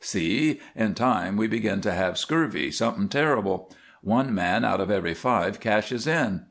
See! In time we begin to have scurvy something terrible. One man out of every five cashes in.